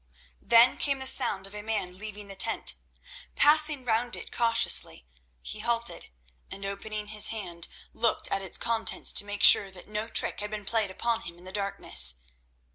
Then came the sound of a man leaving the tent. Passing round it cautiously, he halted, and opening his hand, looked at its contents to make sure that no trick had been played upon him in the darkness.